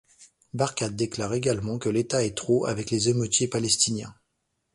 Barkat déclare également que l'État est trop avec les émeutiers palestiniens.